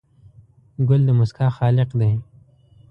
ګل د موسکا خالق دی.